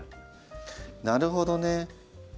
なるほどね。